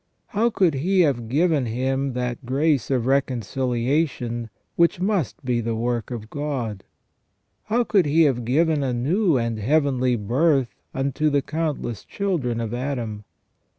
How could he have given him that grace of reconciliation, which must be the work of God ? How could he have given a new and heavenly birth unto the countless children of Adam